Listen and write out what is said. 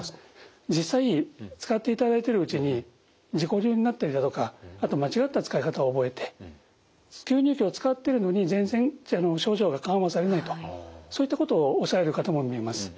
実際使っていただいてるうちに自己流になったりだとかあと間違った使い方を覚えて吸入器を使っているのに全然症状が緩和されないとそういったことをおっしゃられる方も見えます。